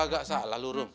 gak salah lu rum